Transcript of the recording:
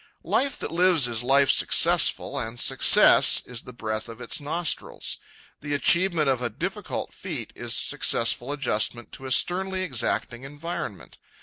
Life that lives is life successful, and success is the breath of its nostrils. The achievement of a difficult feat is successful adjustment to a sternly exacting environment.